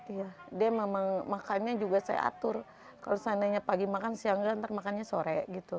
iya dia memang makannya juga saya atur kalau seandainya pagi makan siang dan ntar makannya sore gitu